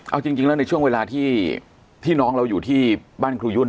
เอาจริงแล้วในช่วงเวลาที่น้องเราอยู่ที่บ้านครูยุ่น